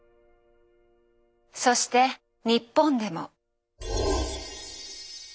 そして日本でも。